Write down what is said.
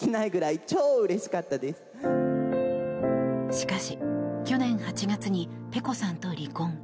しかし、去年８月にｐｅｃｏさんと離婚。